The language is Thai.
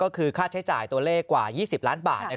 ก็คือค่าใช้จ่ายตัวเลขกว่า๒๐ล้านบาท